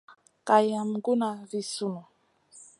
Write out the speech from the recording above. Kay yam guna vi sunù.